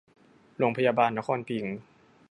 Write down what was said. โรงพยาบาลนครพิงค์